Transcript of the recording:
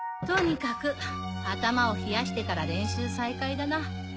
とにかく頭を冷やしてから練習再開だな。